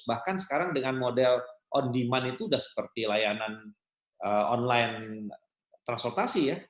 bahkan sekarang dengan model on demand itu sudah seperti layanan online transportasi ya